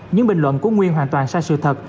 những bình luận của nguyên hoàn toàn sai sự thật